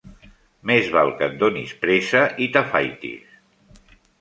Més val que et donis pressa i t'afaitis.